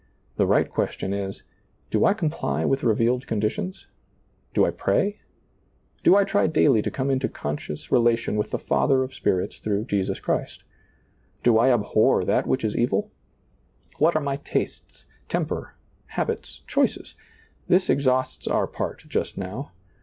The right ques tion is, Do I comply with revealed conditions? Do I pray ? Do I try daily to come into con scious relation with the Father of spirits through Jesus Christ ? Do I abhor that which is evil ? What are my tastes, temper, habits, choices? This exhausts our part just now.